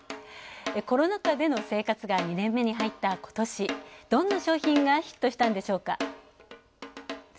コロナ禍での生活が２年目に入ったことしどんな商品がヒットしたんでしょうか。